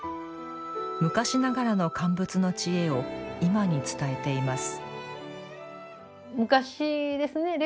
昔ながらの乾物の知恵を今に伝えています。